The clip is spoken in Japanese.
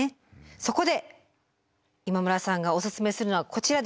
そこで今村さんがおすすめするのはこちらです。